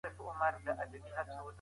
ټولنیز بدلون یوه منل سوې چاره ده.